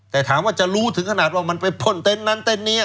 แต่ถามว่าจะรู้ถึงขนาดว่ามันไปพ่นเต็นต์นั้นเต็นต์นี้